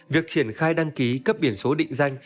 việc triển khai đăng ký cấp biển số định danh